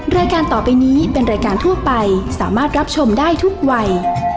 รายการต่อไปนี้เป็นรายการทั่วไปสามารถรับชมได้ทุกวัย